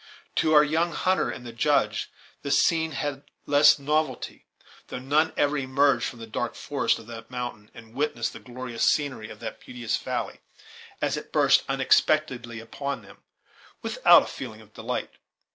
To our young hunter and the Judge the scene had less novelty; though none ever emerge from the dark forests of that mountain, and witness the glorious scenery of that beauteous valley, as it bursts unexpectedly upon them, without a feeling of delight.